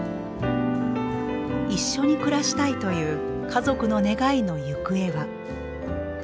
一緒に暮らしたいという家族の願いの行方は。